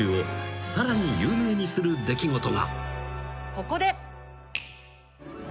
ここで。